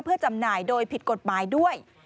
เพื่อจำหน่ายโดยผิดกฎหมายด้วย